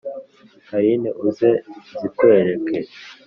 Canira uze nzikwereke .